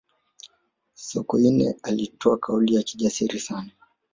sokoine alitoa kauli ya kijasiri sana